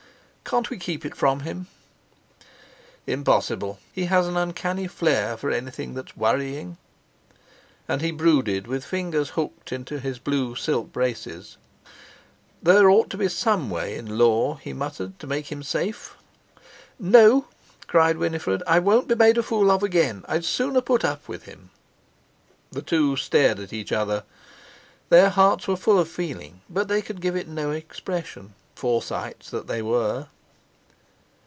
"Can't we keep it from him?" "Impossible. He has an uncanny flair for anything that's worrying." And he brooded, with fingers hooked into his blue silk braces. "There ought to be some way in law," he muttered, "to make him safe." "No," cried Winifred, "I won't be made a fool of again; I'd sooner put up with him." The two stared at each other. Their hearts were full of feeling, but they could give it no expression—Forsytes that they were.